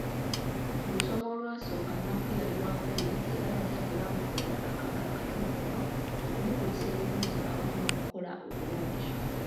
Mu lusoma olwasooka, Nnakku yali wakubiri era abazadde bamukolerayo akabaga akatonotono okumukulisa ebibuuzo awamu n’okukola obulungi.